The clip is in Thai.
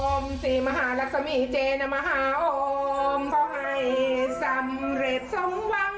โอ้สิมหารักษมีธ์เจนมหาโอ้ขอให้สำเร็จทรงวัง